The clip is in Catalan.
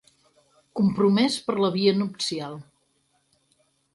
Compromès per la via nupcial.